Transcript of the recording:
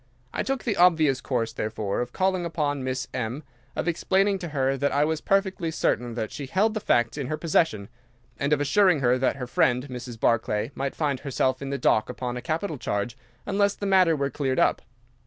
I took the obvious course, therefore, of calling upon Miss Morrison, of explaining to her that I was perfectly certain that she held the facts in her possession, and of assuring her that her friend, Mrs. Barclay, might find herself in the dock upon a capital charge unless the matter were cleared up.